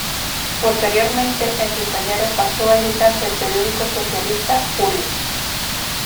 Posteriormente en sus talleres pasó a editarse el periódico socialista "Julio".